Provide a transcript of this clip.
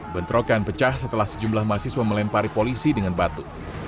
bentrokan pecah setelah sejumlah mahasiswa melempari polisi dengan batu